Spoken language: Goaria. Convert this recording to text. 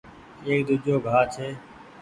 ايڪ ۮوجھو گآه ڇي۔